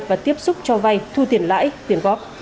và tiếp xúc cho vay thu tiền lãi tiền góp